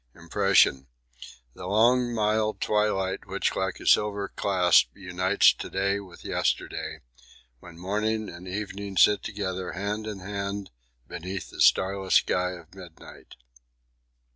Impression. The long mild twilight which like a silver clasp unites to day with yesterday; when morning and evening sit together hand in hand beneath the starless sky of midnight.